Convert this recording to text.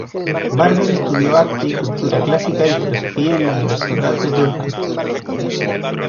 Barber estudió Arte y cultura clásica y Filosofía en la Universidad de Durham.